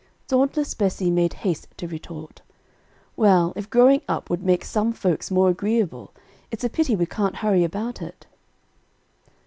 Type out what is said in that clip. Dauntless Bessie made haste to retort. "Well, if growing up would make some folks more agreeable, it's a pity we can't hurry about it."